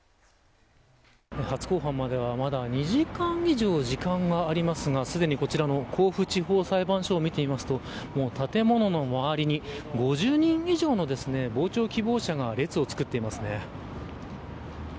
初公判まではまだ２時間以上時間がありますがすでにこちらの甲府地方裁判所を見てみますと建物の周りに５０人以上の傍聴希望者が列をつくっていますね。